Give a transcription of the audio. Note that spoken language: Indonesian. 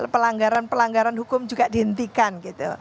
pelanggaran pelanggaran hukum juga dihentikan gitu